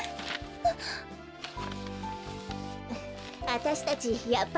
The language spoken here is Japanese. あっ？